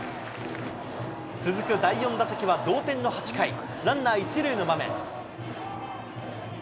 続く第４打席は同点の８回、ランナー１塁の場面。